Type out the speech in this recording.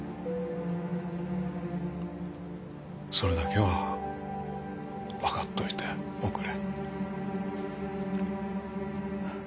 それだけはわかっといておくれ。